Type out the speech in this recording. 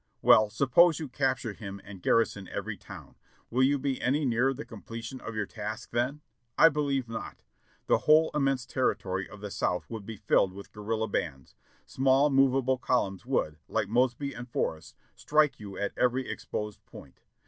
Well, suppose you capture him and garrison every town, will you be any nearer the completion of your task then? I believe not. The whole immense territory of the South would be filled with guerrilla bands. Small movable col umns would, like Mosby and Forrest, strike you at every exposed point.